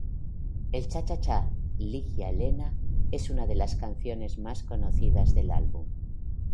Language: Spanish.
El cha-cha-chá "Ligia Elena" es una de las canciones más conocidas del álbum.